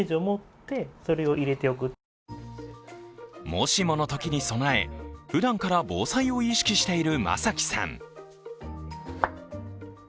もしものときに備え、ふだんから防災を意識している眞輝さん。